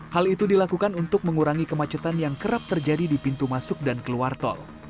hal itu dilakukan untuk mengurangi kemacetan yang kerap terjadi di pintu masuk dan keluar tol